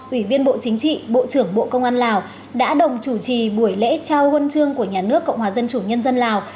ủy viên bộ chính trị bộ trưởng bộ công an lào đã đồng chủ trì buổi lễ trao huân chương của nhà nước cộng hòa dân chủ nhân dân lào